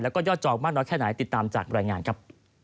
แล้วก็ยอดจองมากน้อยแค่ไหนติดตามจากรายงานครับ